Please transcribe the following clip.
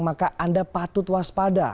maka anda patut waspada